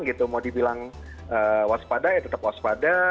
gitu mau dibilang waspada ya tetap waspada